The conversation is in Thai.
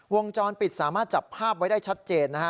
วงจรปิดสามารถจับภาพไว้ได้ชัดเจนนะฮะ